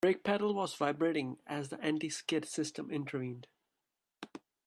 The brake pedal was vibrating as the anti-skid system intervened.